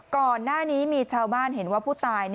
ก่อนหน้านี้มีชาวบ้านเห็นว่าผู้ตาย